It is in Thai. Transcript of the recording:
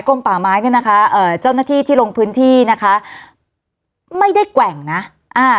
ป่าไม้เนี่ยนะคะเอ่อเจ้าหน้าที่ที่ลงพื้นที่นะคะไม่ได้แกว่งนะอ่า